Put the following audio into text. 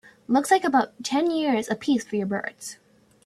Looks like about ten years a piece for you birds.